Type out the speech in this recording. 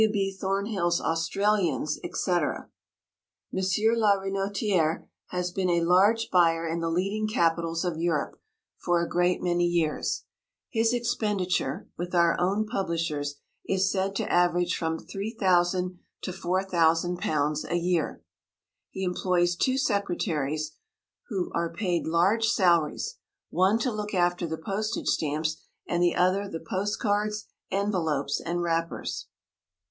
Thornhill's Australians, etc. M. la Renotiérè has been a large buyer in the leading capitals of Europe for a great many years. His expenditure with our own publishers is said to average from £3,000 to £4,000 a year. He employs two secretaries who are paid large salaries, one to look after the postage stamps and the other the post cards, envelopes, and wrappers.